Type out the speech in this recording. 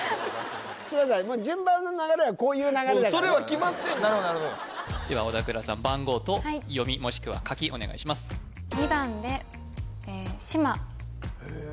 嶋佐順番の流れはこういう流れだからねそれは決まってんのでは小田倉さん番号と読みもしくは書きお願いしますへえ